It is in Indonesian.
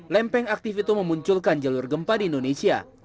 lempeng aktif itu memunculkan jalur gempa di indonesia